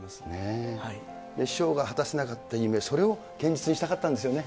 師匠が果たせなかった夢、それを現実にしたかったんですよね。